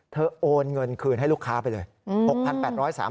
โอนเงินคืนให้ลูกค้าไปเลย